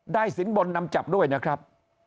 สินบนนำจับด้วยนะครับ